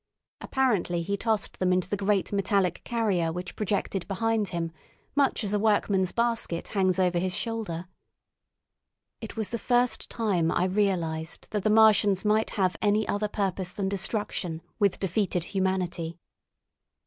Apparently he tossed them into the great metallic carrier which projected behind him, much as a workman's basket hangs over his shoulder. It was the first time I realised that the Martians might have any other purpose than destruction with defeated humanity.